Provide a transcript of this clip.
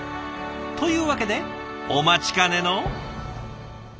というわけでお待ちかねの。